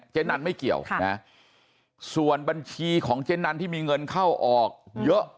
นั่นไม่เกี่ยวนะส่วนบัญชีของเจ๊นันที่มีเงินเข้าออกเยอะ